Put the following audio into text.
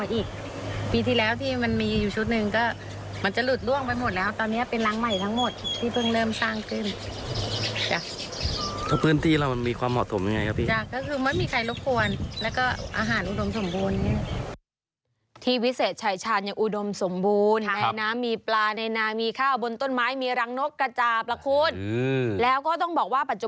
ในเวลาที่มันมีอยู่ชุดนึงก็มันจะหลุดล่วงไปหมดแล้วตอนนี้เป็นลังใหม่ทั้งหมดที่เพิ่งเริ่มสร้างขึ้นจ้ะที่ก็คือมันมีใครรบคนแล้วก็อาหารอุดมสมบูรณ์งี้ที่วิเศษฉ่ายฉานยังอุดมสมบูรณ์ในแน่น้ำมีปลาในน้ำมีข้าวบนต้นไม้มีลังนกกระจาบละคุณอืมแล้วก็ต้องบอกว่า